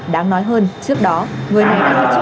đáng nói hơn trước đó người này đã chấp nhận giấy đi đường